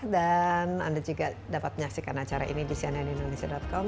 dan anda juga dapat menyaksikan acara ini di siananindonesia com